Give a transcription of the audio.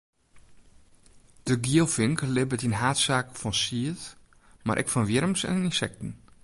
De gielfink libbet yn haadsaak fan sied, mar ek fan wjirms en ynsekten.